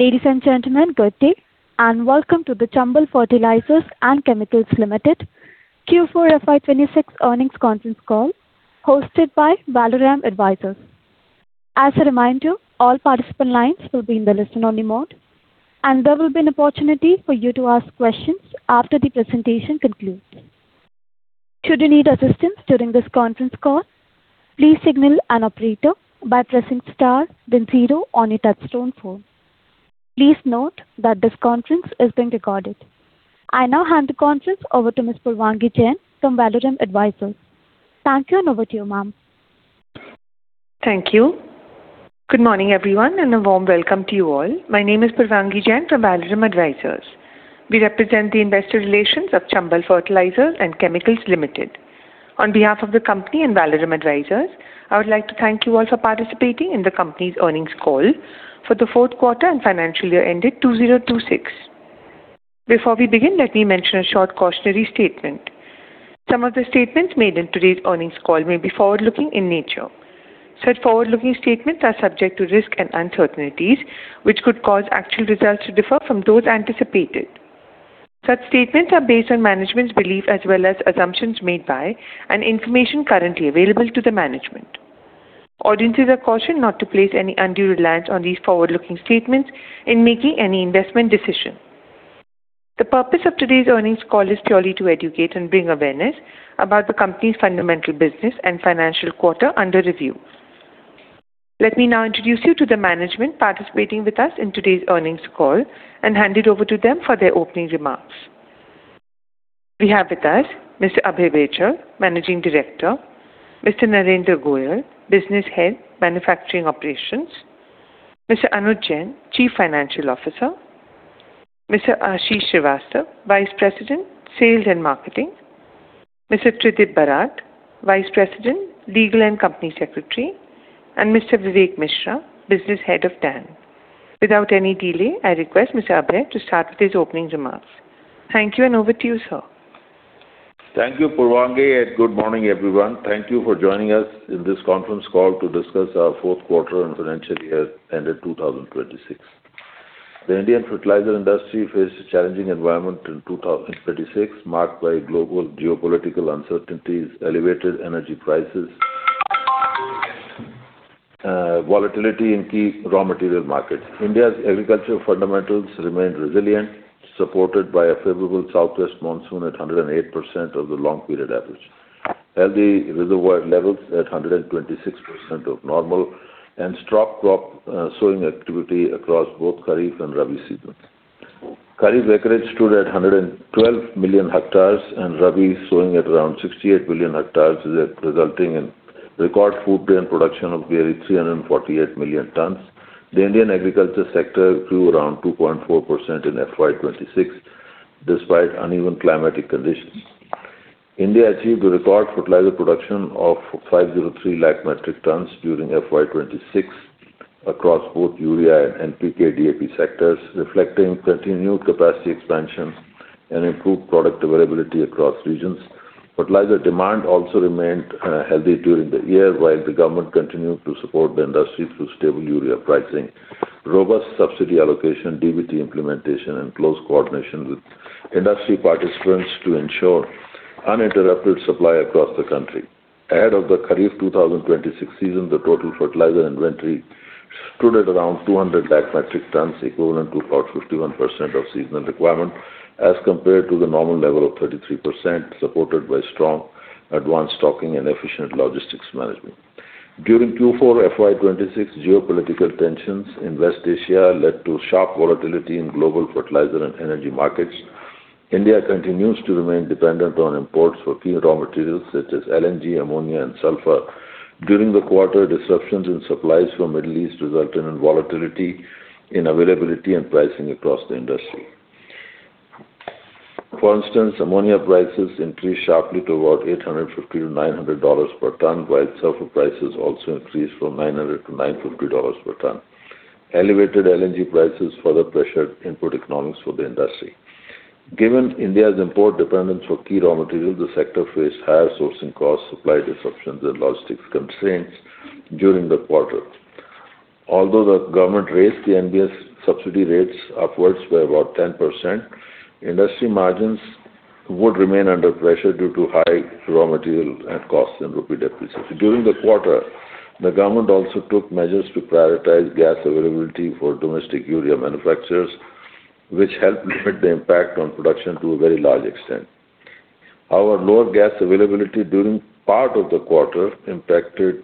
Ladies and gentlemen, good day, and welcome to the Chambal Fertilisers and Chemicals Limited Q4 FY 2026 earnings conference call hosted by Valorem Advisors. As a reminder all participants lines will be in a listen only mode and there will be opportunity for you to ask questions after the presentation concludes. If you need assistance during this conference call please signal operator by pressing star then two on your touchtone phone. Please note that this conference is being recorded. I now hand the conference over to Ms. Purvangi Jain from Valorem Advisors. Thank you, and over to you, ma'am. Thank you. Good morning, everyone, and a warm welcome to you all. My name is Purvangi Jain from Valorem Advisors. We represent the investor relations of Chambal Fertilisers and Chemicals Limited. On behalf of the company and Valorem Advisors, I would like to thank you all for participating in the company's earnings call for the fourth quarter and financial year ended 2026. Before we begin, let me mention a short cautionary statement. Some of the statements made in today's earnings call may be forward-looking in nature. Such forward-looking statements are subject to risks and uncertainties which could cause actual results to differ from those anticipated. Such statements are based on management's belief as well as assumptions made by and information currently available to the management. Audiences are cautioned not to place any undue reliance on these forward-looking statements in making any investment decision. The purpose of today's earnings call is purely to educate and bring awareness about the company's fundamental business and financial quarter under review. Let me now introduce you to the management participating with us in today's earnings call and hand it over to them for their opening remarks. We have with us Mr. Abhay Baijal, Managing Director, Mr. Narinder Goyal, Business Head, Manufacturing Operations, Mr. Anuj Jain, Chief Financial Officer, Mr. Ashish Srivastava, Vice President, Sales and Marketing, Mr. Tridib Barat, Vice President, Legal and Company Secretary, and Mr. Vivek Misra, Business Head of TAN. Without any delay, I request Mr. Abhay to start with his opening remarks. Thank you, and over to you, sir. Thank you, Purvangi, and good morning, everyone. Thank you for joining us in this conference call to discuss our fourth quarter and financial year ended 2026. The Indian fertilizer industry faced a challenging environment in 2026, marked by global geopolitical uncertainties, elevated energy prices, volatility in key raw material markets. India's agricultural fundamentals remained resilient, supported by a favorable southwest monsoon at 108% of the long period average. Healthy reservoir levels at 126% of normal and strong crop sowing activity across both Kharif and Rabi seasons. Kharif acreage stood at 112 million hectares, and Rabi sowing at around 68 million hectares, resulting in record food grain production of nearly 348 million tons. The Indian agriculture sector grew around 2.4% in FY 2026 despite uneven climatic conditions. India achieved a record fertilizer production of 503 lakh metric tons during FY 2026 across both urea and NPK, DAP sectors, reflecting continued capacity expansion and improved product availability across regions. Fertilizer demand also remained healthy during the year while the government continued to support the industry through stable urea pricing, robust subsidy allocation, DBT implementation, and close coordination with industry participants to ensure uninterrupted supply across the country. Ahead of the Kharif 2026 season, the total fertilizer inventory stood at around 200 lakh metric tons, equivalent to about 51% of seasonal requirement, as compared to the normal level of 33%, supported by strong advance stocking and efficient logistics management. During Q4 FY 2026, geopolitical tensions in West Asia led to sharp volatility in global fertilizer and energy markets. India continues to remain dependent on imports for key raw materials such as LNG, ammonia, and sulfur. During the quarter, disruptions in supplies from Middle East resulted in volatility in availability and pricing across the industry. For instance, ammonia prices increased sharply to about $850-$900 per ton, while sulfur prices also increased from $900-$950 per ton. Elevated LNG prices further pressured input economics for the industry. Given India's import dependence for key raw materials, the sector faced higher sourcing costs, supply disruptions, and logistics constraints during the quarter. Although the government raised the NBS subsidy rates upwards by about 10%, industry margins would remain under pressure due to high raw material and costs and rupee depreciation. During the quarter, the government also took measures to prioritize gas availability for domestic urea manufacturers, which helped limit the impact on production to a very large extent. Our lower gas availability during part of the quarter impacted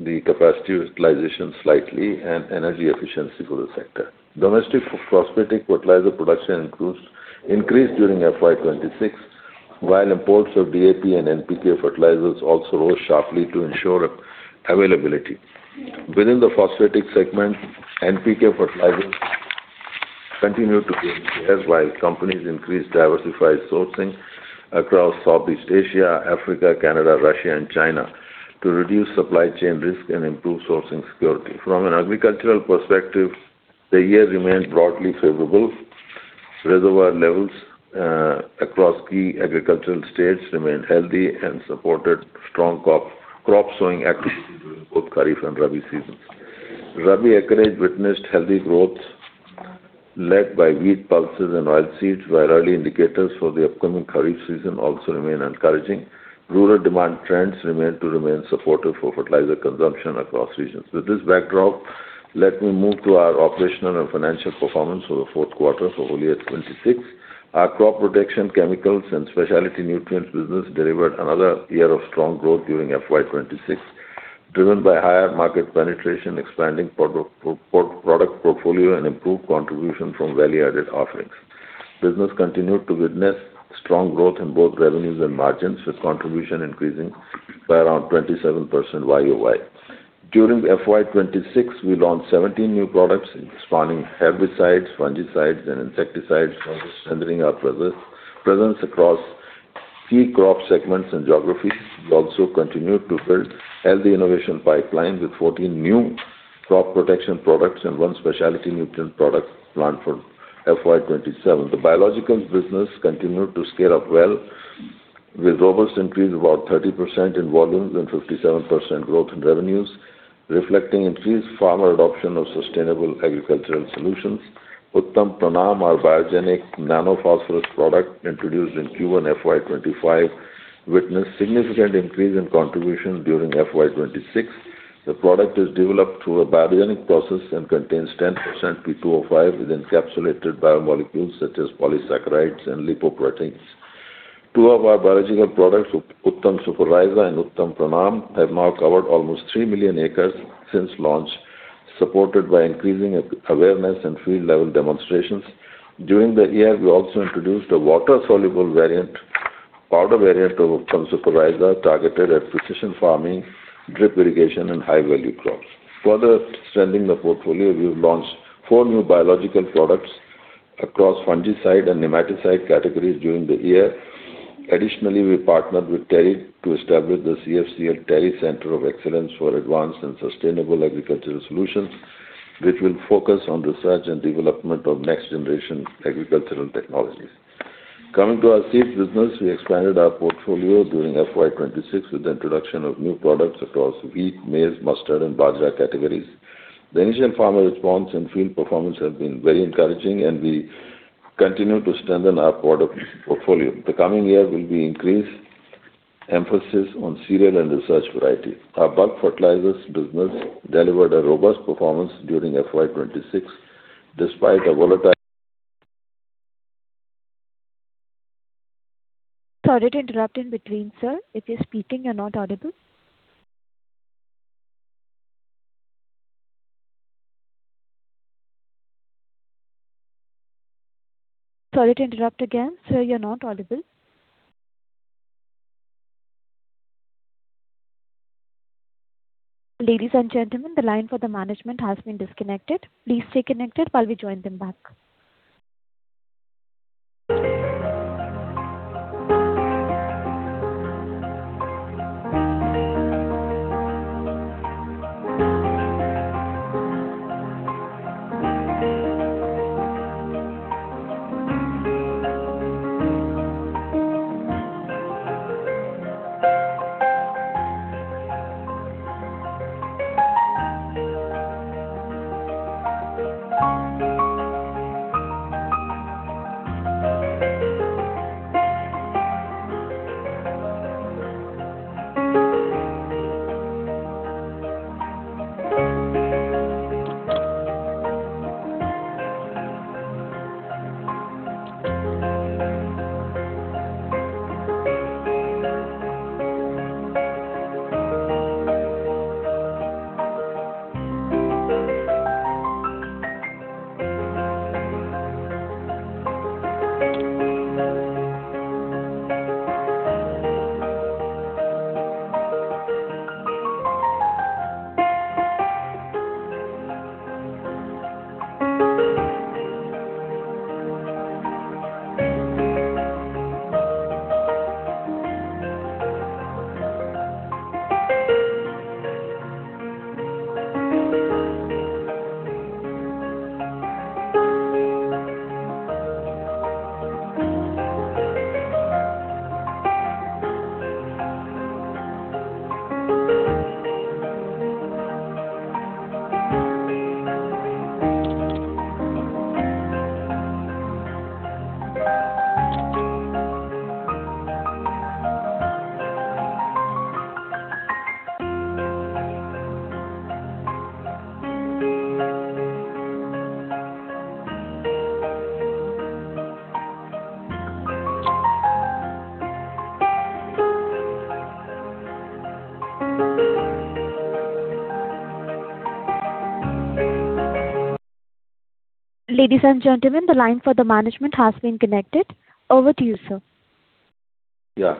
the capacity utilization slightly and energy efficiency for the sector. Domestic phosphatic fertilizer production increased during FY 2026, while imports of DAP and NPK fertilizers also rose sharply to ensure availability. Within the phosphatic segment, NPK fertilizers continued to gain share while companies increased diversified sourcing across Southeast Asia, Africa, Canada, Russia, and China to reduce supply chain risk and improve sourcing security. From an agricultural perspective, the year remained broadly favorable. Reservoir levels across key agricultural states remained healthy and supported strong crop sowing activity during both Kharif and Rabi seasons. Rabi acreage witnessed healthy growth led by wheat, pulses and oilseeds, while early indicators for the upcoming Kharif season also remain encouraging. Rural demand trends remain supportive for fertilizer consumption across regions. With this backdrop, let me move to our operational and financial performance for the fourth quarter for whole year 2026. Our crop protection chemicals and speciality nutrients business delivered another year of strong growth during FY 2026, driven by higher market penetration, expanding product portfolio and improved contribution from value-added offerings. Business continued to witness strong growth in both revenues and margins, with contribution increasing by around 27% YoY. During FY 2026, we launched 17 new products, including expanding herbicides, fungicides and insecticides, further strengthening our presence across key crop segments and geographies. We also continued to build healthy innovation pipeline with 14 new crop protection products and one specialty nutrient product planned for FY 2027. The biologicals business continued to scale up well with robust increase of about 30% in volumes and 57% growth in revenues, reflecting increased farmer adoption of sustainable agricultural solutions. Uttam Pranaam, our biogenic nano phosphorus product introduced in Q1 FY 2025, witnessed significant increase in contribution during FY 2026. The product is developed through a biogenic process and contains 10% P2O5 with encapsulated biomolecules such as polysaccharides and lipoproteins. Two of our biological products, Uttam Superrhiza and Uttam Pranaam, have now covered almost 3 million acres since launch, supported by increasing awareness and field level demonstrations. During the year, we also introduced a water-soluble variant, powder variant of Uttam Superrhiza, targeted at precision farming, drip irrigation and high value crops. Further strengthening the portfolio, we have launched four new biological products across fungicide and nematicide categories during the year. Additionally, we partnered with TERI to establish the CFCL-TERI Centre of Excellence for Advanced and Sustainable Agriculture Solutions, which will focus on research and development of next-generation agricultural technologies. Coming to our seeds business, we expanded our portfolio during FY 2026 with the introduction of new products across wheat, maize, mustard and bajra categories. The initial farmer response and field performance have been very encouraging, and we continue to strengthen our product portfolio. The coming year will be increased emphasis on cereal and research variety. Our bulk fertilizers business delivered a robust performance during FY 2026 despite a volatile-. Sorry to interrupt in between, sir. If you're speaking, you're not audible. Sorry to interrupt again, sir. You're not audible. Ladies and gentlemen, the line for the management has been disconnected. Please stay connected while we join them back. Ladies and gentlemen, the line for the management has been connected. Over to you, sir. Yeah.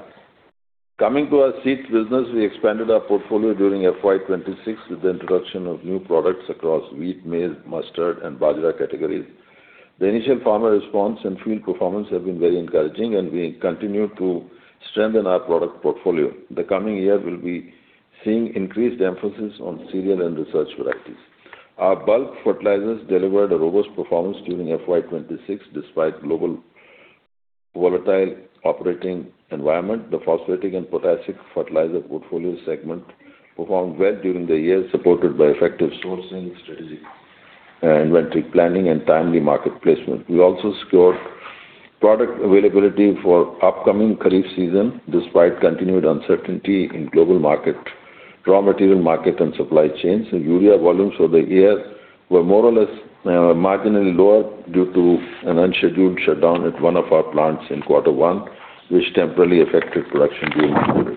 Coming to our seeds business, we expanded our portfolio during FY 2026 with the introduction of new products across wheat, maize, mustard and bajra categories. The initial farmer response and field performance have been very encouraging, and we continue to strengthen our product portfolio. The coming year will be seeing increased emphasis on cereal and research varieties. Our bulk fertilizers delivered a robust performance during FY 2026 despite global volatile operating environment. The phosphatic and potassic fertilizer portfolio segment performed well during the year, supported by effective sourcing strategy, inventory planning, and timely market placement. We also secured product availability for upcoming Kharif season despite continued uncertainty in global market, raw material market, and supply chains. The urea volumes for the year were more or less marginally lower due to an unscheduled shutdown at one of our plants in quarter one, which temporarily affected production during the quarter.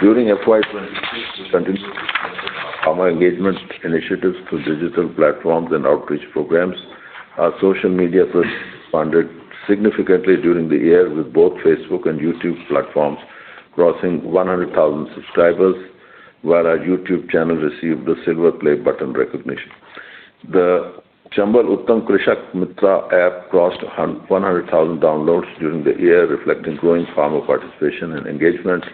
During FY 2026, we continued to strengthen our farmer engagement initiatives through digital platforms and outreach programs. Our social media presence expanded significantly during the year with both Facebook and YouTube platforms crossing 100,000 subscribers, while our YouTube channel received the Silver Play Button recognition. The Chambal Uttam Krishak Mitra app crossed 100,000 downloads during the year, reflecting growing farmer participation and engagement.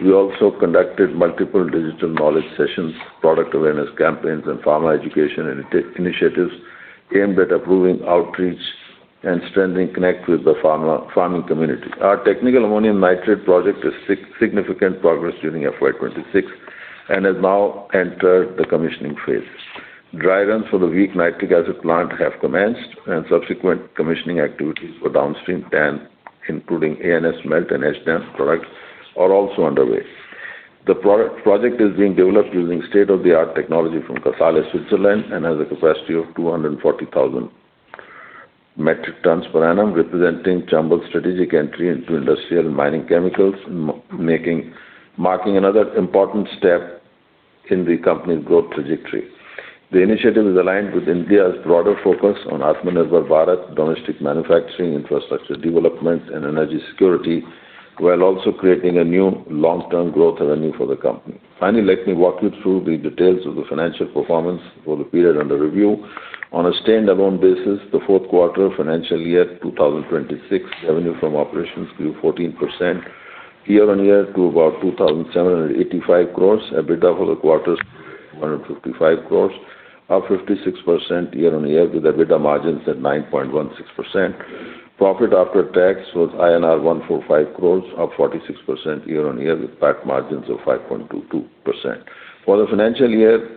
We also conducted multiple digital knowledge sessions, product awareness campaigns, and farmer education initiatives aimed at improving outreach and strengthening connect with the farming community. Our technical ammonium nitrate project has significant progress during FY 2026 and has now entered the commissioning phase. Dry runs for the weak nitric acid plant have commenced, and subsequent commissioning activities for downstream plants, including AN melt and HNAP products, are also underway. The pro-project is being developed using state-of-the-art technology from Casale Switzerland and has a capacity of 240,000 metric tons per annum, representing Chambal's strategic entry into industrial mining chemicals, marking another important step in the company's growth trajectory. The initiative is aligned with India's broader focus on Atmanirbhar Bharat, domestic manufacturing, infrastructure development, and energy security, while also creating a new long-term growth avenue for the company. Finally, let me walk you through the details of the financial performance for the period under review. On a stand-alone basis, the fourth quarter FY 2026 revenue from operations grew 14% year-on-year to about INR 2,785 crore. EBITDA for the quarter stood at INR 155 crore, up 56% year-on-year, with EBITDA margins at 9.16%. Profit after tax was INR 145 crore, up 46% year-on-year, with PAT margins of 5.22%. For the financial year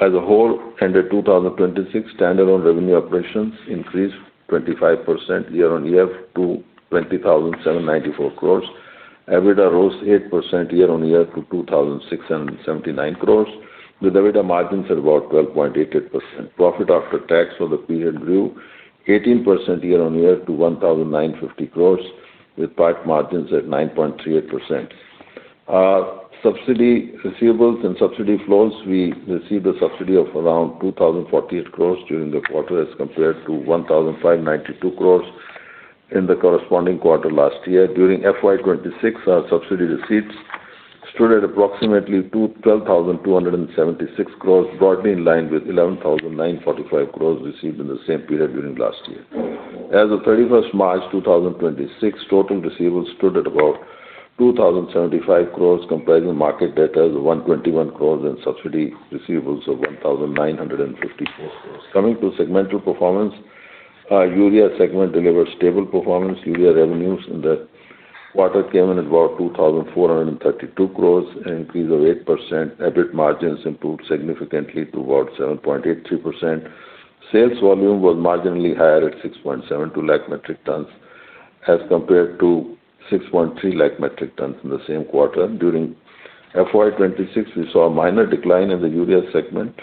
as a whole ended 2026, stand-alone revenue operations increased 25% year-on-year to 20,794 crore. EBITDA rose 8% year-on-year to 2,679 crore, with EBITDA margins at about 12.88%. Profit after tax for the period grew 18% year-on-year to 1,950 crore, with PAT margins at 9.38%. Our subsidy receivables and subsidy flows, we received a subsidy of around 2,048 crore during the quarter as compared to 1,592 crore in the corresponding quarter last year. During FY 2026, our subsidy receipts stood at approximately 12,276 crore, broadly in line with 11,945 crore received in the same period during last year. As of March 31st, 2026, total receivables stood at about 2,075 crore, comprising market debtors of 121 crore and subsidy receivables of 1,954 crore. Coming to segmental performance, our urea segment delivered stable performance. Urea revenues in the quarter came in at about 2,432 crore, an increase of 8%. EBIT margins improved significantly to about 7.83%. Sales volume was marginally higher at 6.72 lakh metric tons as compared to 6.3 lakh metric tons in the same quarter. During FY 2026, we saw a minor decline in the urea segment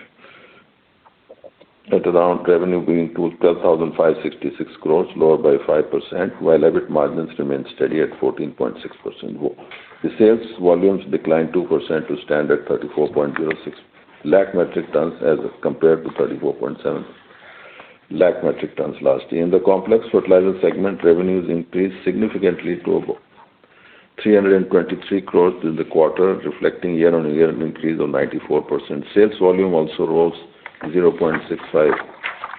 at around revenue being to 12,566 crore, lower by 5%, while EBIT margins remained steady at 14.6% growth. The sales volumes declined 2% to stand at 34.06 lakh metric tons as compared to 34.7 lakh metric tons last year. In the complex fertilizer segment, revenues increased significantly to over 323 crore in the quarter, reflecting year-on-year increase of 94%. Sales volume also rose 0.65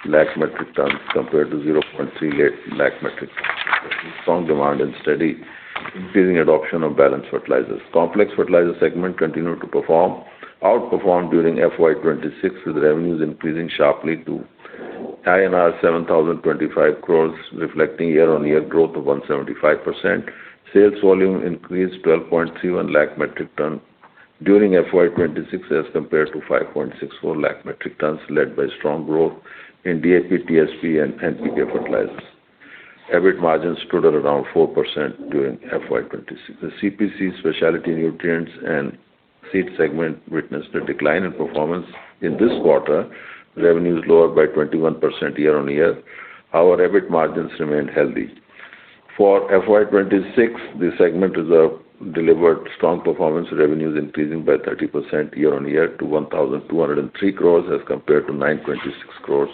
lakh metric tons compared to 0.3 lakh metric tons, reflecting strong demand and steady increasing adoption of balanced fertilizers. Complex fertilizer segment continued to outperform during FY 2026, with revenues increasing sharply to INR 7,025 crore, reflecting year-on-year growth of 175%. Sales volume increased 12.31 lakh metric tons during FY 2026 as compared to 5.64 lakh metric tons, led by strong growth in DAP, TSP, and NPK fertilizers. EBIT margins stood at around 4% during FY 2026. The CPC specialty nutrients and seed segment witnessed a decline in performance in this quarter. Revenues lowered by 21% year-on-year. Our EBIT margins remained healthy. For FY 2026, the segment reserve delivered strong performance, revenues increasing by 30% year-on-year to 1,203 crore as compared to 926 crore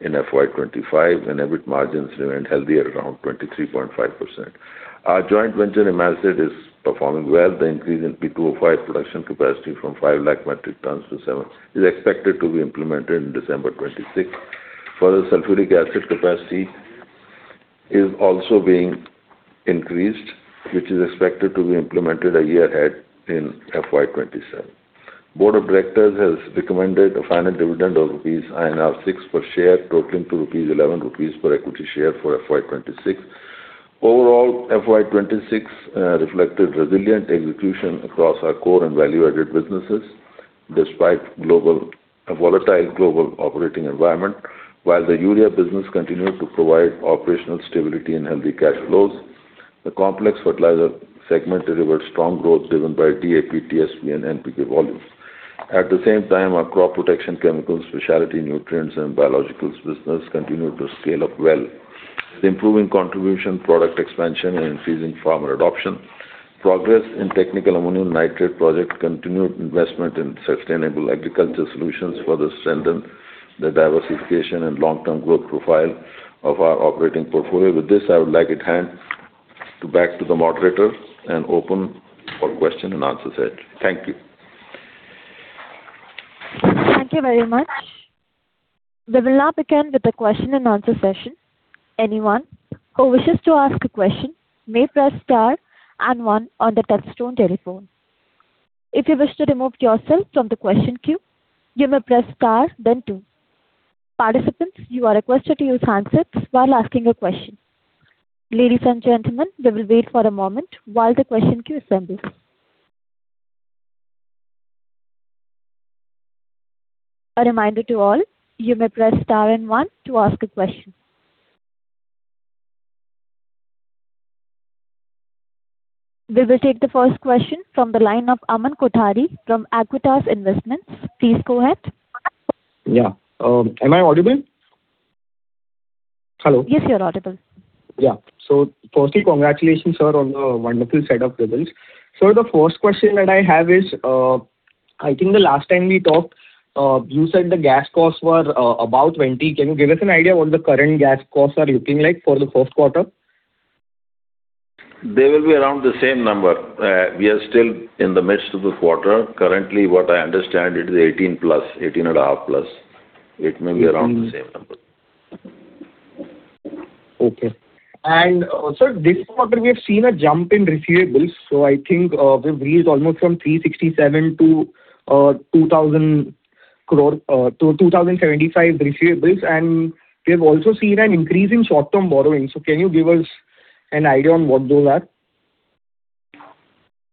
in FY 2025, and EBIT margins remained healthy at around 23.5%. Our joint venture, IMACID, is performing well. The increase in P2O5 production capacity from 5 lakh metric tons-7 lakh metric tons is expected to be implemented in December 2026. For the sulfuric acid capacity is also being increased, which is expected to be implemented a year ahead in FY 2027. Board of Directors has recommended a final dividend of rupees 6 per share, totaling to 11 rupees per equity share for FY 2026. Overall, FY 2026 reflected resilient execution across our core and value-added businesses despite a volatile global operating environment. While the urea business continued to provide operational stability and healthy cash flows, the complex fertilizer segment delivered strong growth driven by DAP, TSP, and NPK volumes. At the same time, our crop protection chemicals, specialty nutrients, and biologicals business continued to scale up well, improving contribution, product expansion, and increasing farmer adoption. Progress in technical Ammonium Nitrate project continued investment in sustainable agriculture solutions further strengthen the diversification and long-term growth profile of our operating portfolio. With this, I would like it hand to back to the moderator and open for question and answer set. Thank you. Thank you very much. We will now begin with the question-and-answer session. Anyone who wishes to ask a question may press star and one on the touchtone telephone. If you wish to remove yourself from the question queue, you may press star then two. Participants, you are requested to use handsets while asking a question. Ladies and gentlemen, we will wait for a moment while the question queue assembles. A reminder to all, you may press star and one to ask a question. We will take the first question from the line of Aman Kothari from Aequitas Investments. Please go ahead. Yeah. Am I audible? Hello? Yes, you are audible. Yeah. Firstly, congratulations, sir, on the wonderful set of results. Sir, the first question that I have is, I think the last time we talked, you said the gas costs were above 20. Can you give us an idea what the current gas costs are looking like for the first quarter? They will be around the same number. We are still in the midst of the quarter. Currently, what I understand it is 18+, 18.5+. It may be around the same number. Okay. sir, this quarter we have seen a jump in receivables. I think, we've raised almost from 367, 2,000 crore-2,075 receivables, and we have also seen an increase in short-term borrowing. Can you give us an idea on what those are?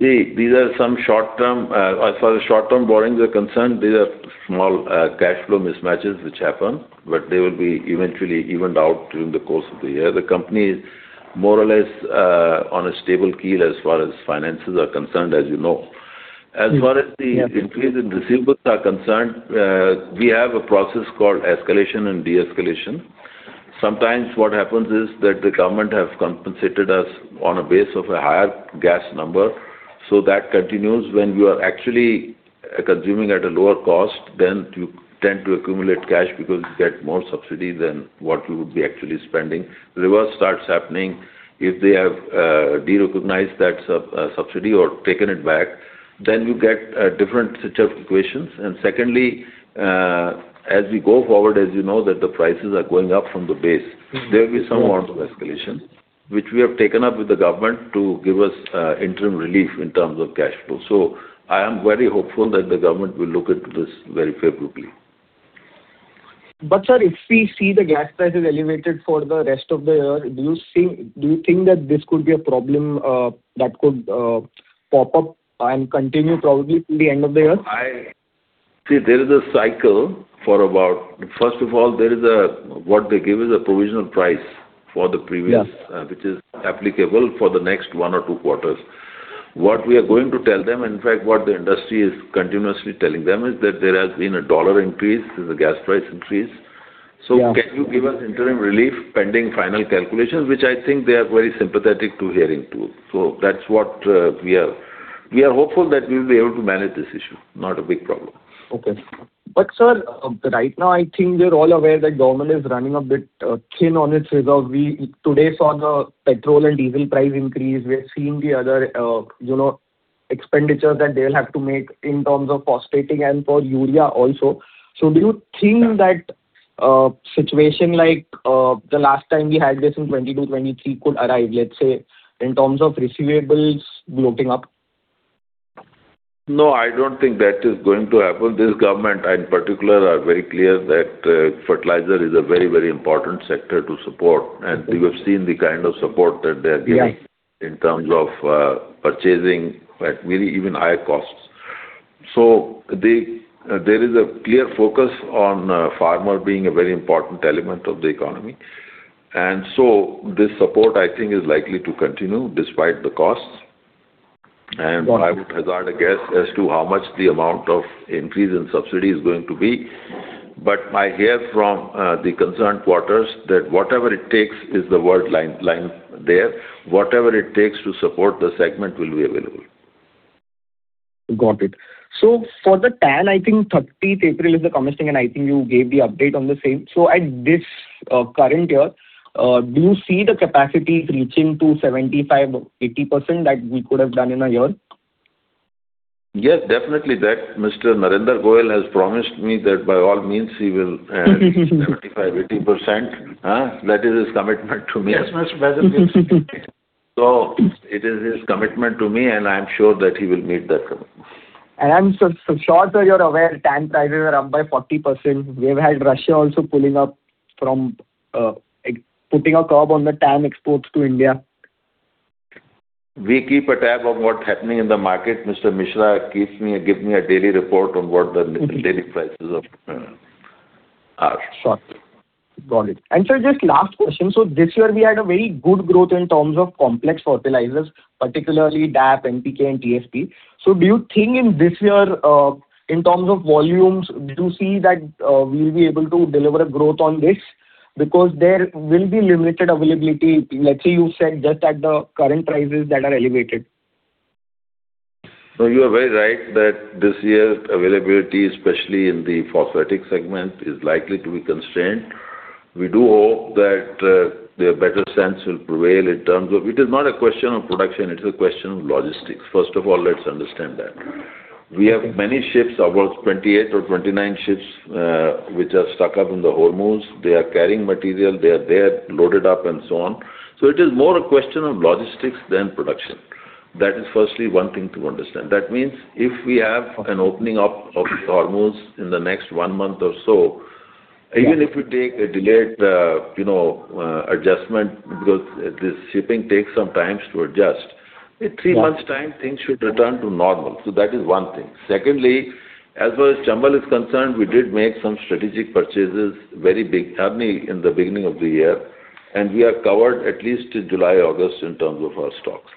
These are some short-term, as far as short-term borrowings are concerned, these are small, cash flow mismatches which happen, but they will be eventually evened out during the course of the year. The company is more or less, on a stable keel as far as finances are concerned, as you know. Mm-hmm. Yeah. As far as the increase in receivables are concerned, we have a process called escalation and de-escalation. Sometimes what happens is that the government have compensated us on a base of a higher gas number, that continues. When you are actually consuming at a lower cost, you tend to accumulate cash because you get more subsidy than what you would be actually spending. Reverse starts happening if they have de-recognized that subsidy or taken it back. You get a different set of equations. Secondly, as we go forward, as you know that the prices are going up from the base- There will be some forms of escalation, which we have taken up with the government to give us, interim relief in terms of cash flow. I am very hopeful that the government will look into this very favorably. Sir, if we see the gas prices elevated for the rest of the year, do you think that this could be a problem that could pop up and continue probably till the end of the year? I See, there is a cycle. First of all, what they give is a provisional price for the previous. Yeah. Which is applicable for the next one or two quarters. What we are going to tell them, in fact, what the industry is continuously telling them is that there has been a dollar increase, there's a gas price increase. Yeah. Can you give us interim relief pending final calculations, which I think they are very sympathetic to hearing to. That's what, we are hopeful that we will be able to manage this issue. Not a big problem. Okay. Sir, right now I think we are all aware that government is running a bit thin on its reserve. We today saw the petrol and diesel price increase. We are seeing the other, you know, expenditures that they'll have to make in terms of phosphating and for urea also. Do you think that situation like the last time we had this in 2022, 2023 could arrive, let's say, in terms of receivables bloating up? No, I don't think that is going to happen. This government in particular are very clear that fertilizer is a very, very important sector to support. We have seen the kind of support that they are giving. Yeah. In terms of, purchasing at very even higher costs. There is a clear focus on, farmer being a very important element of the economy. This support, I think, is likely to continue despite the costs. I would hazard a guess as to how much the amount of increase in subsidy is going to be. I hear from, the concerned quarters that whatever it takes is the word line there. Whatever it takes to support the segment will be available. Got it. For the TAN, I think April 30th is the commencing, and I think you gave the update on the same. At this current year, do you see the capacity reaching to 75%-80% that we could have done in a year? Yes, definitely that Mr. Narinder Goyal has promised me that by all means he will add 75%, 80%. That is his commitment to me. Yes, Abhay Baijal. It is his commitment to me, and I am sure that he will meet that commitment. I'm sure sir you're aware TAN prices are up by 40%. We've had Russia also pulling up from putting a curb on the TAN exports to India. We keep a tab on what's happening in the market. Mr. Misra keeps me, gives me a daily report on what the daily prices of, are. Sure. Got it. Sir, just last question. This year we had a very good growth in terms of complex fertilizers, particularly DAP, NPK and TSP. Do you think in this year, in terms of volumes, do you see that we'll be able to deliver a growth on this? Because there will be limited availability, let's say you said just at the current prices that are elevated. No, you are very right that this year's availability, especially in the phosphatic segment, is likely to be constrained. We do hope that their better sense will prevail in terms of it is not a question of production, it is a question of logistics. First of all, let's understand that. We have many ships, about 28 or 29 ships, which are stuck up in the Hormuz. They are carrying material, they are there loaded up and so on. It is more a question of logistics than production. That is firstly one thing to understand. That means if we have an opening up of the Hormuz in the next one month or so, even if we take a delayed, you know, adjustment because the shipping takes some time to adjust. Yeah. In three months time, things should return to normal. That is one thing. Secondly, as far as Chambal is concerned, we did make some strategic purchases very big early in the beginning of the year, and we are covered at least till July, August in terms of our stocks.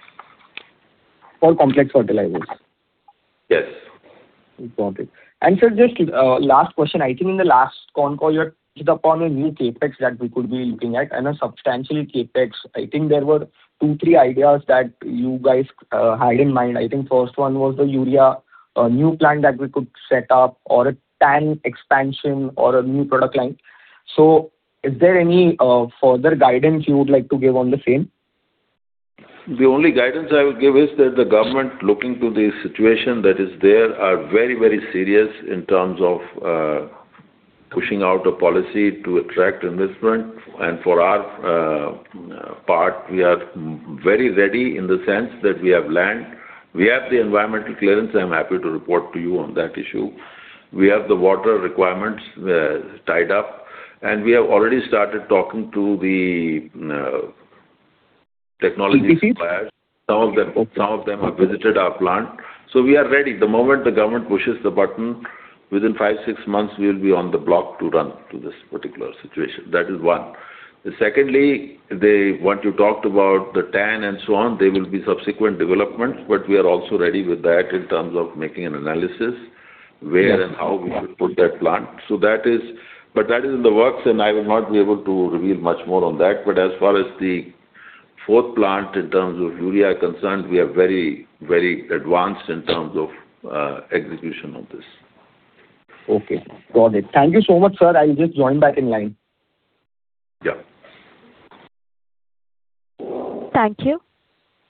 For complex fertilizers? Yes. Got it. Sir, just last question. I think in the last concall you hit upon a new CapEx that we could be looking at and a substantial CapEx. I think there were two, three ideas that you guys had in mind. I think first one was the urea, a new plant that we could set up or a TAN expansion or a new product line. Is there any further guidance you would like to give on the same? The only guidance I would give is that the government looking to the situation that is there are very, very serious in terms of pushing out a policy to attract investment. For our part, we are very ready in the sense that we have land. We have the environmental clearance. I am happy to report to you on that issue. We have the water requirements tied up, and we have already started talking to the technology suppliers. TPC? Some of them have visited our plant. We are ready. The moment the government pushes the button, within five, six months we'll be on the block to run to this particular situation. That is one. Secondly, what you talked about, the TAN and so on, they will be subsequent developments, but we are also ready with that in terms of making an analysis- Yes. ...where and how we should put that plant. That is in the works, and I will not be able to reveal much more on that. As far as the fourth plant in terms of urea are concerned, we are very, very advanced in terms of execution of this. Okay. Got it. Thank you so much, sir. I will just join back in line. Yeah. Thank you.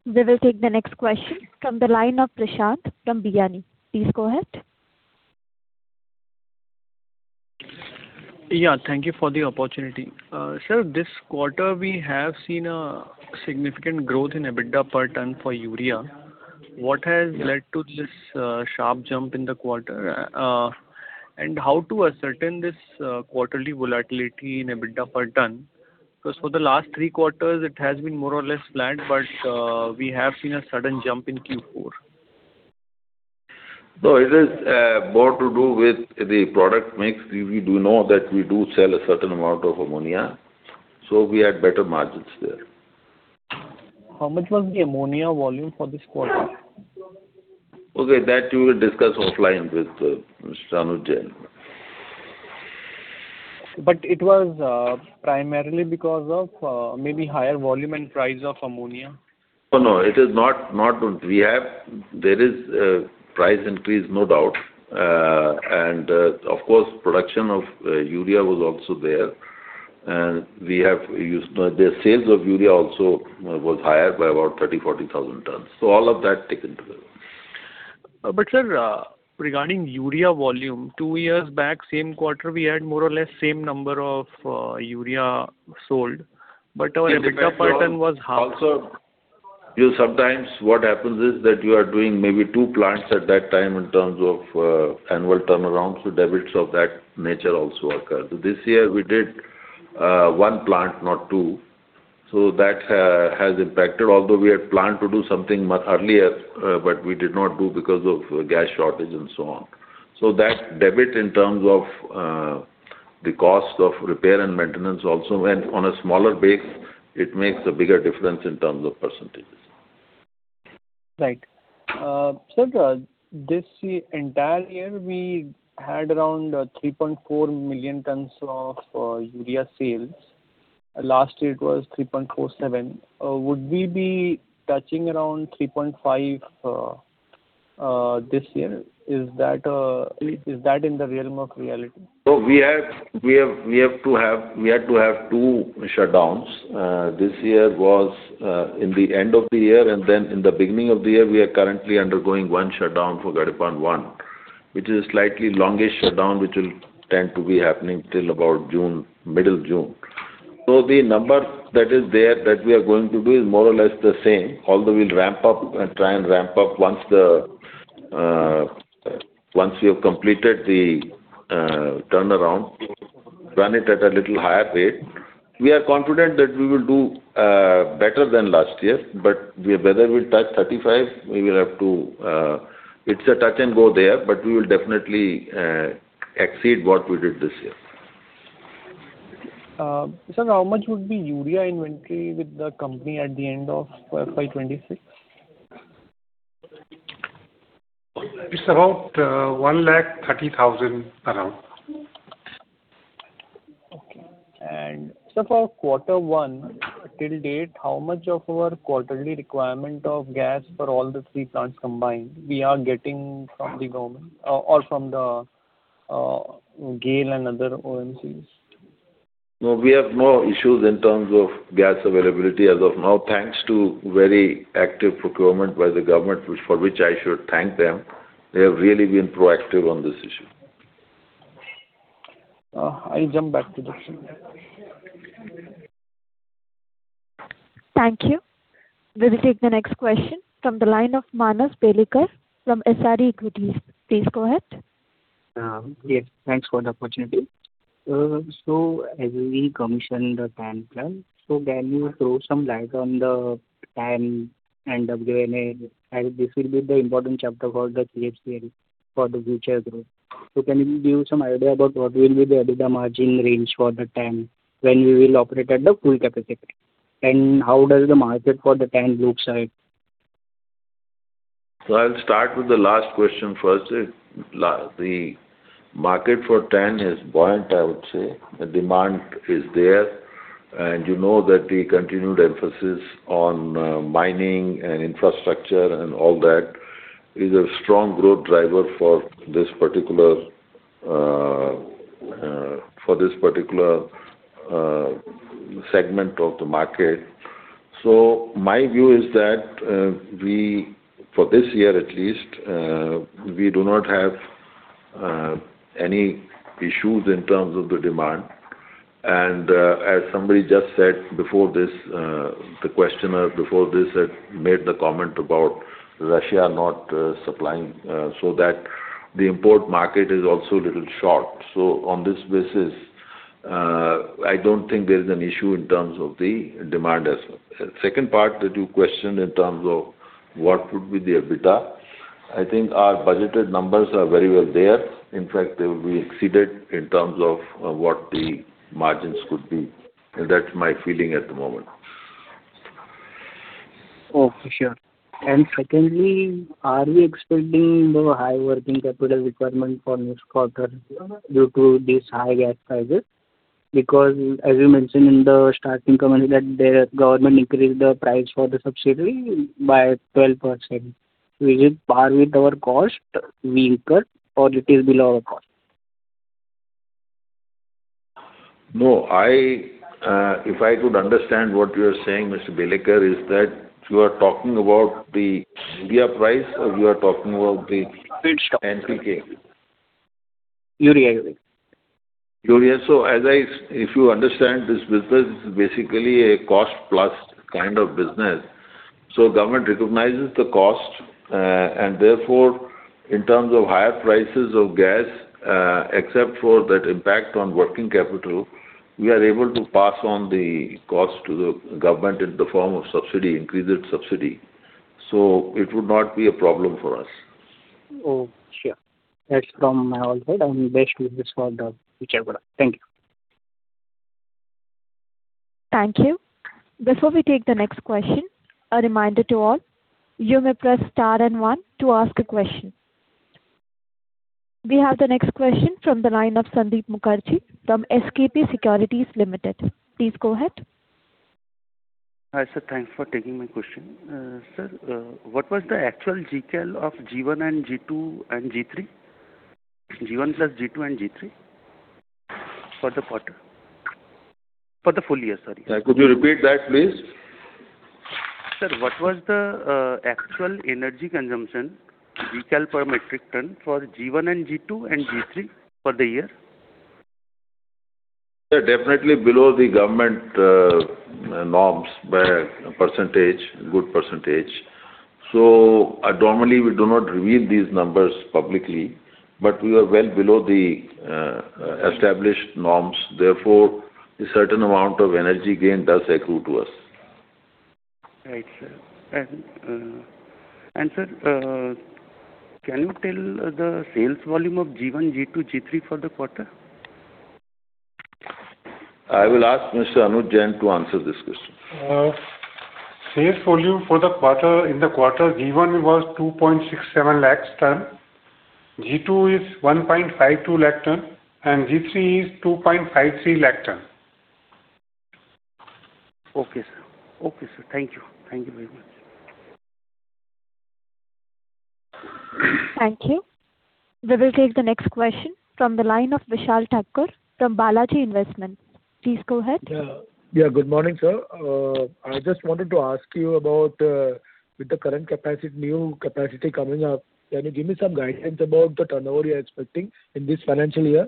We will take the next question from the line of Prashant from [Biyani]. Please go ahead. Yeah, thank you for the opportunity. Sir, this quarter we have seen a significant growth in EBITDA per ton for urea. What has led to this sharp jump in the quarter? How to ascertain this quarterly volatility in EBITDA per ton? Because for the last three quarters it has been more or less flat, but we have seen a sudden jump in Q4. No, it is more to do with the product mix. We do know that we do sell a certain amount of ammonia, so we had better margins there. How much was the ammonia volume for this quarter? Okay, that you will discuss offline with Mr. Anuj Jain. It was primarily because of maybe higher volume and price of ammonia? No, no, it is not. There is a price increase, no doubt. Of course production of urea was also there. The sales of urea also was higher by about 30,000 tons, 40,000 tons. All of that taken together. Sir, regarding urea volume, two years back, same quarter, we had more or less same number of urea sold. Yeah, because so- EBITDA per ton was half. You know, sometimes what happens is that you are doing maybe two plants at that time in terms of annual turnaround. Debits of that nature also occur. This year we did one plant, not two. That has impacted, although we had planned to do something much earlier, but we did not do because of gas shortage and so on. That debit in terms of the cost of repair and maintenance also went on a smaller base, it makes a bigger difference in terms of percentages. Right. sir, this entire year we had around 3.4 million tons of urea sales. Last year it was 3.47 million tons. Would we be touching around 3.5 million tons this year? Is that in the realm of reality? We had to have two shutdowns. This year was in the end of the year, and then in the beginning of the year, we are currently undergoing one shutdown for Gadepan-I. Which is a slightly longish shutdown, which will tend to be happening till about June, middle June. The number that is there that we are going to do is more or less the same, although we'll ramp up and try and ramp up once the once we have completed the turnaround, run it at a little higher rate. We are confident that we will do better than last year, but whether we'll touch 3.5 million tons, we will have to. It's a touch and go there, but we will definitely exceed what we did this year. Sir, how much would be urea inventory with the company at the end of FY 2026? It's about 1.30 lakh around. Okay. Sir, for quarter one, till date, how much of our quarterly requirement of gas for all the three plants combined we are getting from the government or from the GAIL and other OMCs? No, we have no issues in terms of gas availability as of now, thanks to very active procurement by the government, which for which I should thank them. They have really been proactive on this issue. I'll jump back to the queue. Thank you. We will take the next question from the line of Manas Belekar from SR Equities. Please go ahead. Yes, thanks for the opportunity. As we commission the TAN plant, can you throw some light on the TAN and WNA, as this will be the important chapter for the CFCL for the future growth? Can you give some idea about what will be the EBITDA margin range for the TAN when we will operate at the full capacity? And how does the market for the TAN looks like? I'll start with the last question first. The market for TAN is buoyant, I would say. The demand is there. You know that the continued emphasis on mining and infrastructure and all that is a strong growth driver for this particular for this particular segment of the market. My view is that we, for this year at least, we do not have any issues in terms of the demand. As somebody just said before this, the questioner before this had made the comment about Russia not supplying so that the import market is also a little short. On this basis, I don't think there is an issue in terms of the demand as such. Second part that you questioned in terms of what would be the EBITDA, I think our budgeted numbers are very well there. In fact, they will be exceeded in terms of what the margins could be. That's my feeling at the moment. Oh, for sure. Secondly, are we expecting the high working capital requirement for next quarter due to these high gas prices? Because as you mentioned in the starting comment that the government increased the price for the subsidy by 12%. Is it par with our cost we incur or it is below our cost? No, I, if I could understand what you are saying, Mr. Belekar, is that you are talking about the India price or you are talking about- Which stock? ...NPK? Urea. Urea. If you understand this business, this is basically a cost plus kind of business. Government recognizes the cost, and therefore, in terms of higher prices of gas, except for that impact on working capital, we are able to pass on the cost to the government in the form of subsidy, increased subsidy. It would not be a problem for us. Oh, sure. That's from my all side. I'm best with this for the future growth. Thank you. Thank you. Before we take the next question, a reminder to all, you may press star and one to ask a question. We have the next question from the line of Sandeep Mukherjee from SKP Securities Limited. Please go ahead. Hi, sir. Thanks for taking my question. Sir, what was the actual Gcal of G 1 and G 2 and G 3, G 1 + G 2 and G 3 for the quarter, for the full year, sorry? Could you repeat that, please? Sir, what was the actual energy consumption Gcal per metric ton for G 1 and G 2 and G 3 for the year? They're definitely below the government norms by a percentage, good percentage. Normally, we do not reveal these numbers publicly, but we are well below the established norms. Therefore, a certain amount of energy gain does accrue to us. Right, sir. Sir, can you tell the sales volume of G 1, G 2, G 3 for the quarter? I will ask Mr. Anuj Jain to answer this question. Sales volume for the quarter, in the quarter G 1 was 2.67 lakh ton. G 2 is 1.52 lakh ton, and G 3 is 2.53 lakh ton. Okay, sir. Okay, sir. Thank you. Thank you very much. Thank you. We will take the next question from the line of Vishal Thakur from Balaji Investments. Please go ahead. Yeah. Yeah, good morning, sir. I just wanted to ask you about, with the current capacity, new capacity coming up, can you give me some guidance about the turnover you're expecting in this financial year?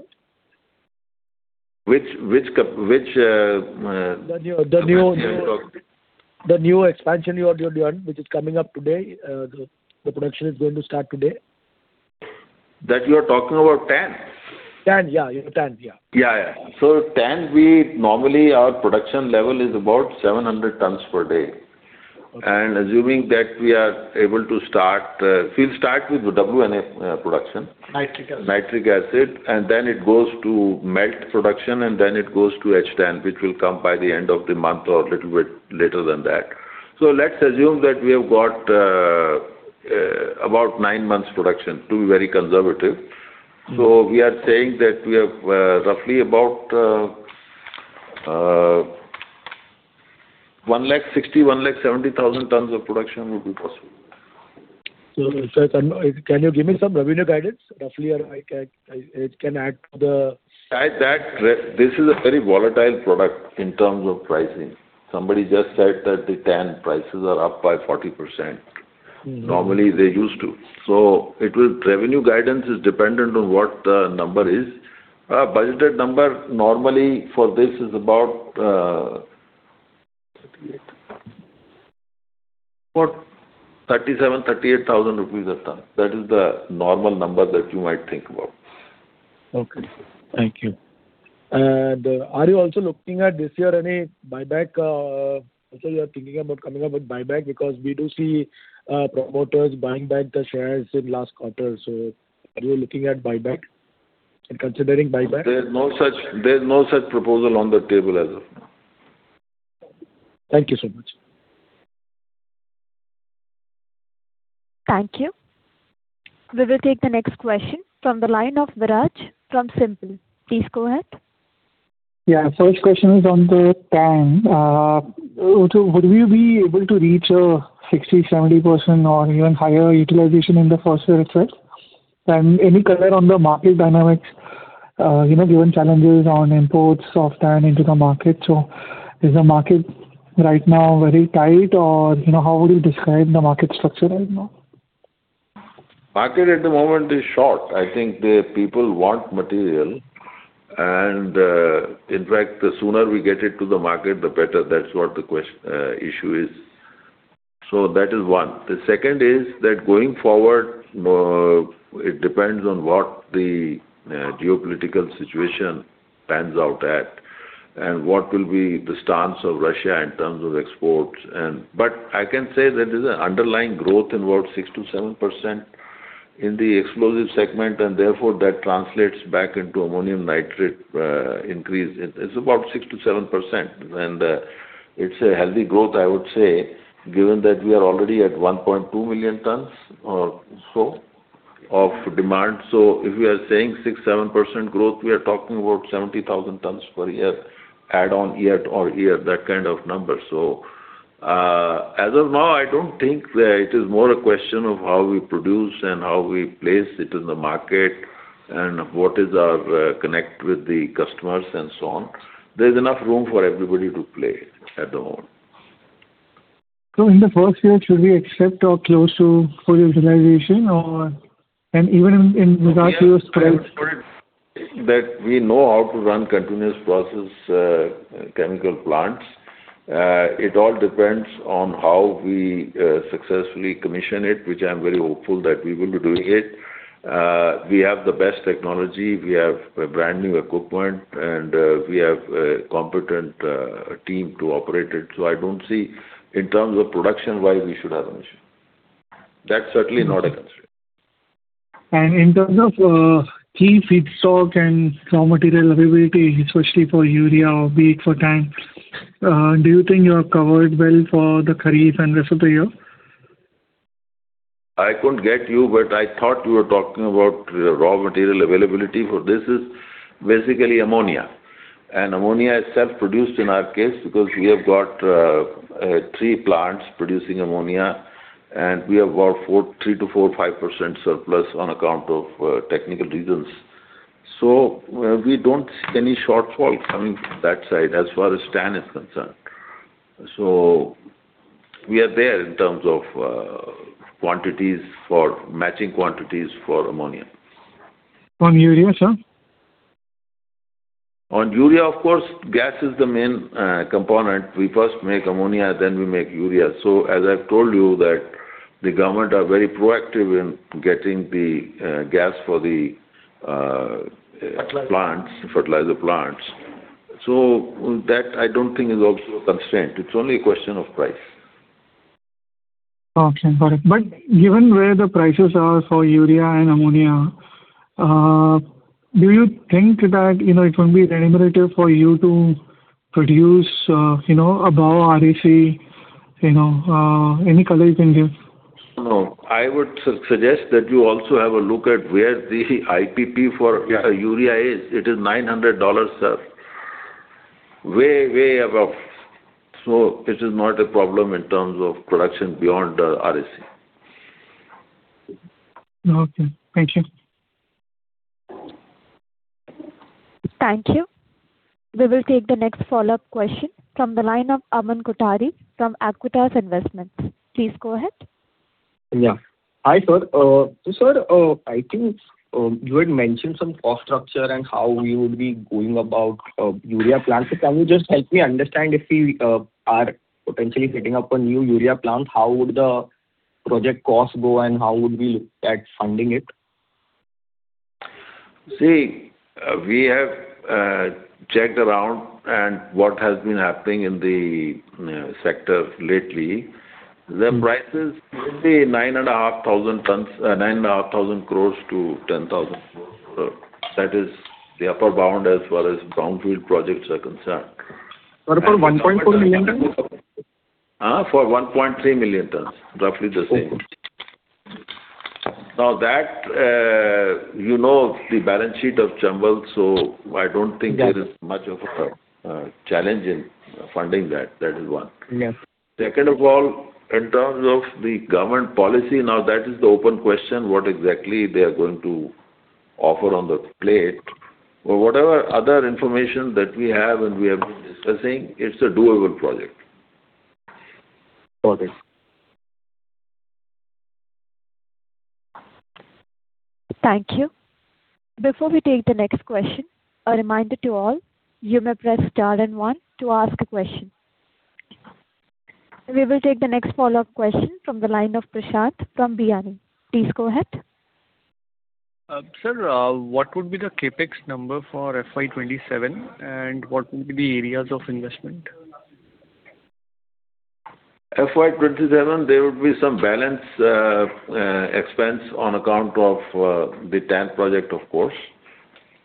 Which- The new. ...capacity are you talking? The new expansion you have done which is coming up today. The production is going to start today. That you are talking about TAN? TAN, yeah. TAN, yeah. Yeah, yeah. TAN, we normally our production level is about 700 tons per day. Okay. Assuming that we are able to start, we'll start with WNA production. Nitric acid. Nitric acid. It goes to MELT production, it goes to HDAN, which will come by the end of the month or a little bit later than that. Let's assume that we have got about nine months production to be very conservative. We are saying that we have roughly about 160,000-170,000 tons of production would be possible. sir, can you give me some revenue guidance roughly or It can add to the- At that this is a very volatile product in terms of pricing. Somebody just said that the TAN prices are up by 40%. Normally they used to. Revenue guidance is dependent on what the number is. Our budgeted number normally for this is about- 38%. ...about 37,000-38,000 rupees a ton. That is the normal number that you might think about. Okay. Thank you. Are you also looking at this year any buyback? Also you are thinking about coming up with buyback because we do see promoters buying back the shares in last quarter, so are you looking at buyback and considering buyback? There's no such proposal on the table as of now. Thank you so much. Thank you. We will take the next question from the line of Viraj from Simpl. Please go ahead. Yeah. First question is on the TAN. Would you be able to reach a 60%, 70% or even higher utilization in the first year itself? Any color on the market dynamics, you know, given challenges on imports of TAN into the market. Is the market right now very tight or, you know, how would you describe the market structure right now? Market at the moment is short. I think the people want material and in fact, the sooner we get it to the market, the better. That's what the issue is. That is one. The second is that going forward, it depends on what the geopolitical situation pans out at and what will be the stance of Russia in terms of exports and But I can say there is an underlying growth in about 6%-7% in the explosive segment, and therefore, that translates back into ammonium nitrate increase. It, it's about 6%-7%, and it's a healthy growth, I would say, given that we are already at 1.2 million tons or so of demand. If we are saying 6%-7% growth, we are talking about 70,000 tons per year add on year to all year, that kind of number. As of now, I don't think it is more a question of how we produce and how we place it in the market and what is our connect with the customers and so on. There's enough room for everybody to play at the moment. In the first year, should we expect or close to full utilization? We have a track record that we know how to run continuous process, chemical plants. It all depends on how we successfully commission it, which I'm very hopeful that we will be doing it. We have the best technology. We have a brand new equipment, and we have a competent team to operate it. I don't see, in terms of production, why we should have an issue. That's certainly not a constraint. In terms of, key feedstock and raw material availability, especially for urea or be it for TAN, do you think you are covered well for the Kharif and rest of the year? I couldn't get you, but I thought you were talking about raw material availability. For this is basically ammonia. Ammonia is self-produced in our case because we have got three plants producing ammonia, and we have about 4%, 3%-4%, 5% surplus on account of technical reasons. We don't see any shortfall coming from that side as far as TAN is concerned. We are there in terms of quantities for matching quantities for ammonia. On urea, sir? On urea, of course, gas is the main component. We first make ammonia, then we make urea. As I've told you that the government are very proactive in getting the gas for the- Fertilizer. ...plants, fertilizer plants. That I don't think is also a constraint. It's only a question of price. Okay. Given where the prices are for urea and ammonia, do you think that, you know, it would be remunerative for you to produce, you know, above REC, you know, any color you can give? No. I would suggest that you also have a look at where the IPP for- Yeah. ...urea is. It is $900, sir. Way, way above. It is not a problem in terms of production beyond REC. Okay. Thank you. Thank you. We will take the next follow-up question from the line of Aman Kothari from Aequitas Investments. Please go ahead. Yeah. Hi, sir. So sir, I think you had mentioned some cost structure and how we would be going about urea plant. Can you just help me understand if we are potentially setting up a new urea plant, how would the project costs go, and how would we look at funding it? See, we have checked around and what has been happening in the sector lately. The prices will be 9,500 crore-10,000 crore. That is the upper bound as far as brownfield projects are concerned. For 1.4 million tons? for 1.3 million tons, roughly the same. Okay. Now that, you know the balance sheet of Chambal- Yeah. ...there is much of a challenge in funding that. That is one. Yeah. Second of all, in terms of the government policy, now that is the open question, what exactly they are going to offer on the plate. Whatever other information that we have and we have been discussing, it's a doable project. Got it. Thank you. Before we take the next question, a reminder to all, you may press star and one to ask a question. We will take the next follow-up question from the line of Prashant from [Biyani]. Please go ahead. Sir, what would be the CapEx number for FY 2027, and what would be the areas of investment? FY 2027, there would be some balance expense on account of the TAN project of course,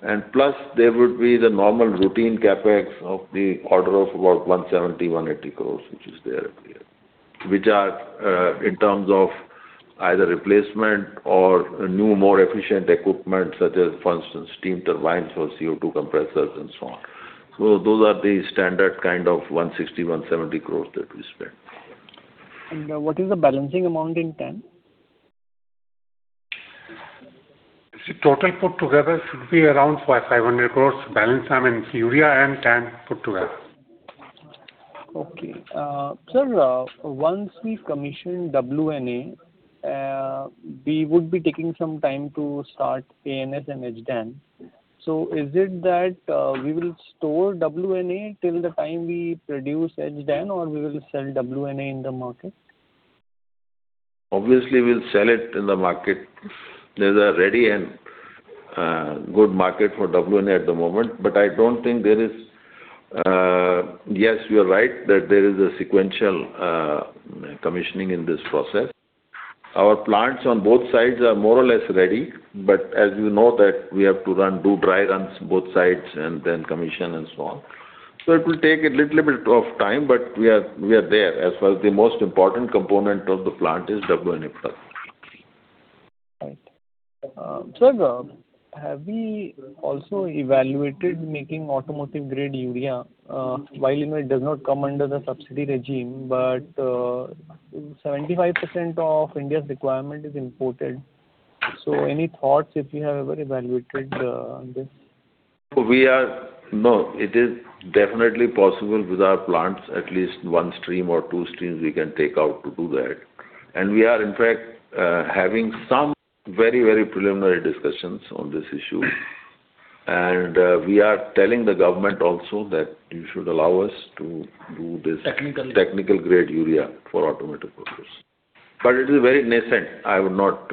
and plus there would be the normal routine CapEx of the order of about 170 crore-180 crore, which is there every year. Which are in terms of either replacement or new more efficient equipment such as, for instance, steam turbines or CO2 compressors and so on. So those are the standard kind of 160 crore-170 crore that we spend. What is the balancing amount in TAN? Total put together should be around 500 crore. Balance, I mean, urea and TAN put together. Okay. Sir, once we commission WNA, we would be taking some time to start ANS and HDAN. Is it that, we will store WNA till the time we produce HDAN or we will sell WNA in the market? Obviously, we'll sell it in the market. There's a ready and good market for WNA at the moment. I don't think there is. Yes, you are right that there is a sequential commissioning in this process. Our plants on both sides are more or less ready. As you know that we have to run two dry runs both sides and then commission and so on. It will take a little bit of time. We are there. As far as the most important component of the plant is WNA itself. Right. sir, have we also evaluated making automotive grade urea? while it may does not come under the subsidy regime, but, 75% of India's requirement is imported. Any thoughts if you have ever evaluated, on this? No, it is definitely possible with our plants, at least one stream or two streams we can take out to do that. We are in fact, having some very, very preliminary discussions on this issue. We are telling the government also that you should allow us to do this. Technical grade. Technical grade urea for automotive purpose. It is very nascent. I would not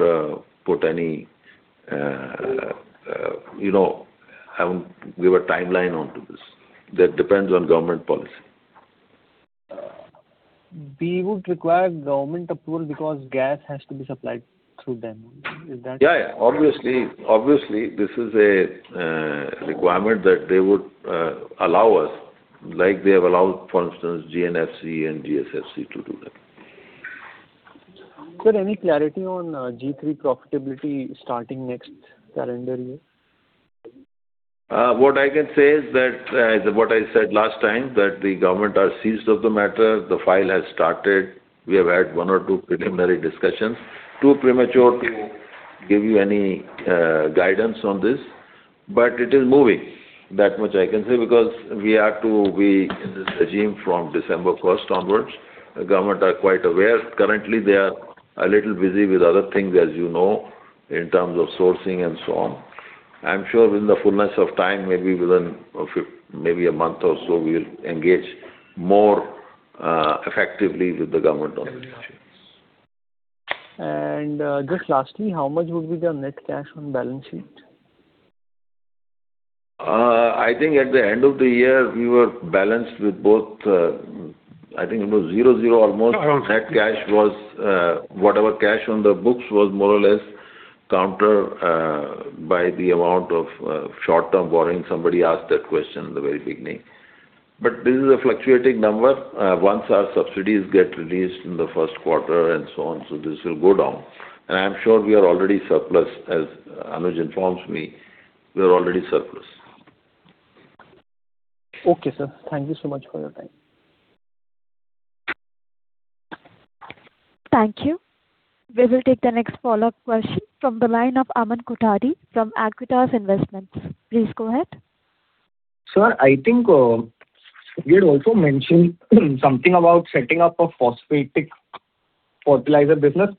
put any, you know, I won't give a timeline onto this. That depends on government policy. We would require government approval because gas has to be supplied through them. Yeah, yeah. Obviously, obviously this is a requirement that they would allow us like they have allowed, for instance, GNFC and GSFC to do that. Sir, any clarity on G3 profitability starting next calendar year? What I can say is that, what I said last time, that the government are seized of the matter. The file has started. We have had one or two preliminary discussions. Too premature to give you any guidance on this, but it is moving. That much I can say because we have to be in this regime from December 1st onwards. The government are quite aware. Currently they are a little busy with other things, as you know, in terms of sourcing and so on. I'm sure in the fullness of time, maybe within a few, maybe one month or so, we'll engage more effectively with the government on these issues. Just lastly, how much would be the net cash on balance sheet? I think at the end of the year, we were balanced with both, I think it was 0, 0 almost. Around. Net cash was, whatever cash on the books was more or less counter, by the amount of, short-term borrowing. Somebody asked that question in the very beginning. This is a fluctuating number. Once our subsidies get released in the first quarter and so on, this will go down. I am sure we are already surplus, as Anuj informs me. We are already surplus. Okay, sir. Thank you so much for your time. Thank you. We will take the next follow-up question from the line of Aman Kothari from Aequitas Investments. Please go ahead. Sir, I think, you had also mentioned something about setting up a phosphatic fertilizer business,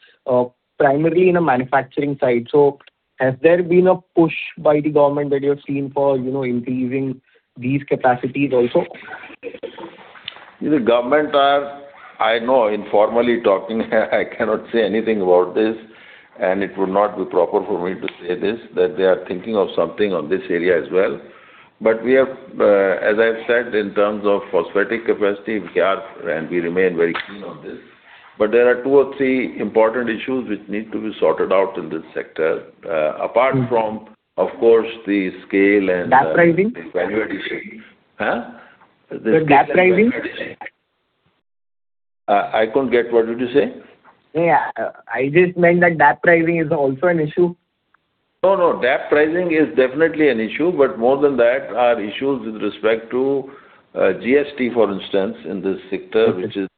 primarily in a manufacturing side. Has there been a push by the government that you've seen for, you know, increasing these capacities also? The government are I know informally talking, I cannot say anything about this, and it would not be proper for me to say this, that they are thinking of something on this area as well. We have, as I've said, in terms of phosphatic capacity, we are and we remain very keen on this. There are two or three important issues which need to be sorted out in this sector, apart from of course the scale and. DAP pricing. The value addition. Huh? The DAP pricing. I couldn't get. What did you say? Yeah, I just meant that DAP pricing is also an issue. No, no. DAP pricing is definitely an issue. More than that are issues with respect to GST, for instance, in this sector. Okay. which is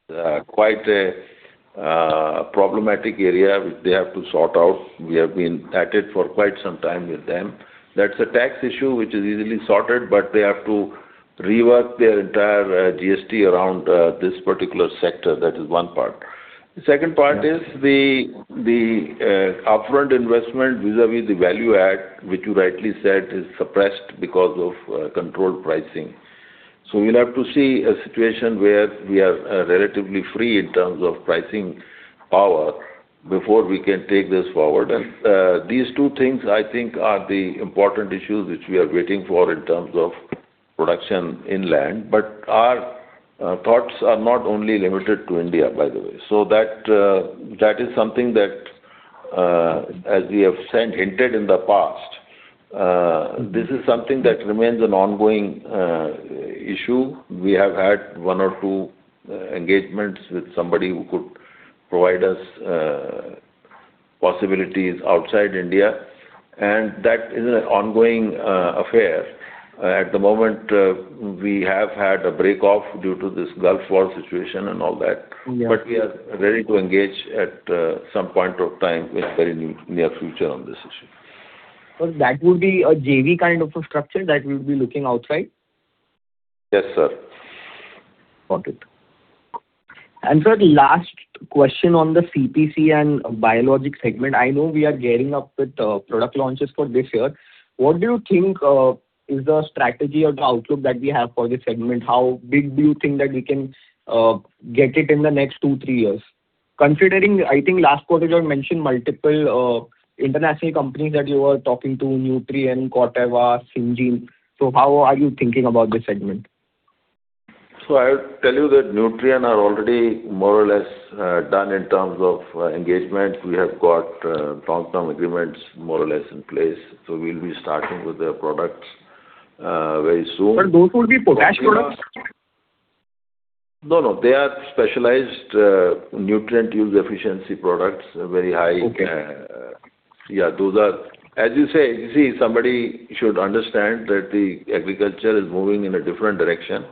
quite a problematic area which they have to sort out. We have been at it for quite some time with them. That's a tax issue which is easily sorted, but they have to rework their entire GST around this particular sector. That is one part. The second part is the upfront investment vis-a-vis the value add, which you rightly said is suppressed because of controlled pricing. We'll have to see a situation where we are relatively free in terms of pricing power before we can take this forward. These two things, I think, are the important issues which we are waiting for in terms of production inland. Our thoughts are not only limited to India, by the way. That is something that, as we have said, hinted in the past, this is something that remains an ongoing issue. We have had one or two engagements with somebody who could provide us possibilities outside India, and that is an ongoing affair. At the moment, we have had a breakoff due to this Gulf War situation and all that. Yeah. We are ready to engage at some point of time in very near future on this issue. Sir, that would be a JV kind of a structure that we'll be looking outside? Yes, sir. Got it. Sir, last question on the CPC and biologic segment. I know we are gearing up with product launches for this year. What do you think is the strategy or the outlook that we have for this segment? How big do you think that we can get it in the next two, three years? Considering, I think last quarter you had mentioned multiple international companies that you were talking to, Nutrien, Corteva, Syngenta. How are you thinking about this segment? I would tell you that Nutrien are already more or less, done in terms of, engagement. We have got, long-term agreements more or less in place. We'll be starting with their products, very soon. Sir, those would be potash products? No, no. They are specialized, nutrient use efficiency products. Okay. Yeah, somebody should understand that the agriculture is moving in a different direction.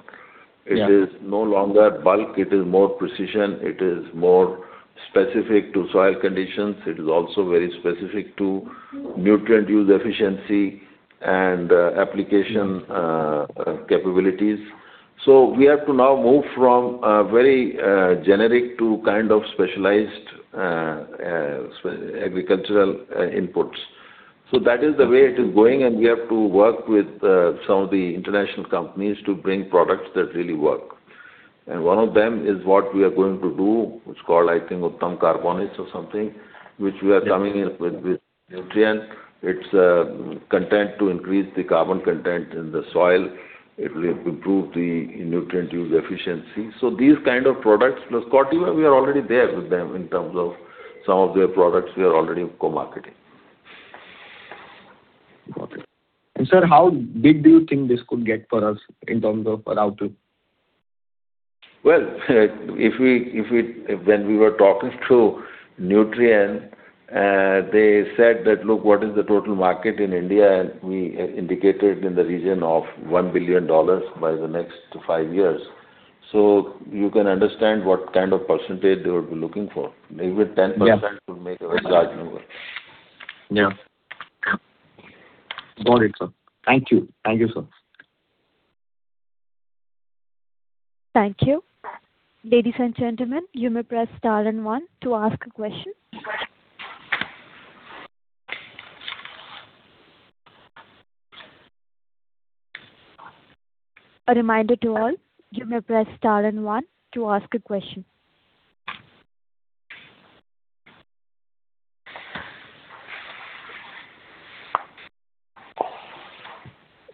Yeah. It is no longer bulk. It is more precision. It is more specific to soil conditions. It is also very specific to nutrient use efficiency and application capabilities. We have to now move from a very generic to kind of specialized agricultural inputs. That is the way it is going, and we have to work with some of the international companies to bring products that really work. One of them is what we are going to do. It's called, I think, Uttam Carbonates or something, which we are coming in with Nutrien. It's content to increase the carbon content in the soil. It will improve the nutrient use efficiency. These kind of products. Plus Corteva, we are already there with them in terms of some of their products we are already co-marketing. Got it. Sir, how big do you think this could get for us in terms of an output? Well, when we were talking to Nutrien, they said that, "Look, what is the total market in India?" We indicated in the region of $1 billion by the next five years. You can understand what kind of percentage they would be looking for. Maybe 10%- Yeah. ...would make a very large number. Yeah. Got it, sir. Thank you. Thank you, sir. Thank you. Ladies and gentlemen you may press star and one to ask a question. As a reminder you may press star one to ask a question.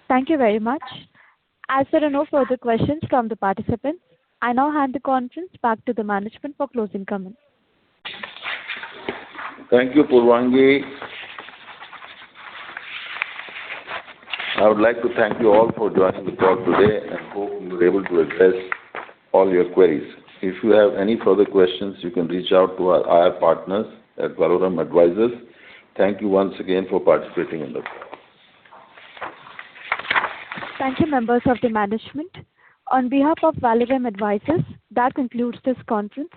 Thank you very much. As there are no further questions from the participants, I now hand the conference back to the management for closing comments. Thank you, Purvangi. I would like to thank you all for joining the call today and hope we were able to address all your queries. If you have any further questions, you can reach out to our IR partners at Valorem Advisors. Thank you once again for participating in the call. Thank you, members of the management. On behalf of Valorem Advisors, that concludes this conference.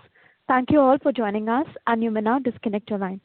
Thank you all for joining us, and you may now disconnect your lines.